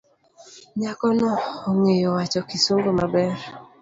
Nyakono ongeyo wacho kisungu maber.